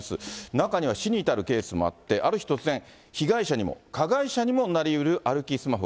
中には死に至るケースもあって、ある日突然、被害者にも加害者にもなりうる歩きスマホ。